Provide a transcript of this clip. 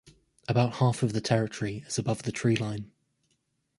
About half of the territory is above the tree line.